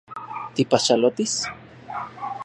¿Tipaxalotis?